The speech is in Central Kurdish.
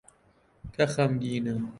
کە خەمگینە